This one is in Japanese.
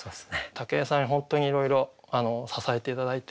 武井さんに本当にいろいろ支えて頂いて。